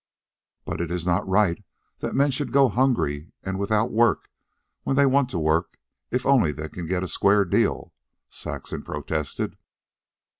"But it is not right that men should go hungry and without work when they want to work if only they can get a square deal," Saxon protested.